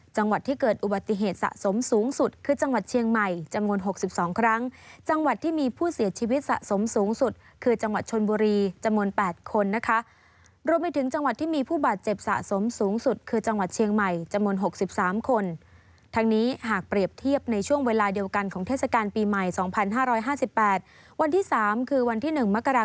จังหวัดที่เกิดอุบัติเหตุสะสมสูงสุดคือจังหวัดเชียงใหม่จังหวัดที่มีผู้เสียชีวิตสะสมสูงสุดคือจังหวัดชนบุรีจังหวัดที่มีผู้บาดเจ็บสะสมสูงสุดคือจังหวัดเชียงใหม่จังหวัดที่มีผู้เสียชีวิตสะสมสูงสุดคือจังหวัดเชียงใหม่จังหวัดที่มีผู้เสียชีวิตสะ